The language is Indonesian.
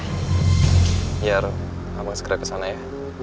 iya rum abang segera kesana ya